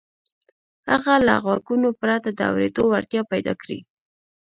هغه له غوږونو پرته د اورېدو وړتيا پيدا کړي.